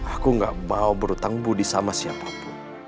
aku gak mau berhutang budi sama siapapun